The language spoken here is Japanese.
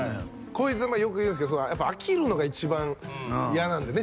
こいつよく言うんですけどやっぱ飽きるのが一番嫌なんでね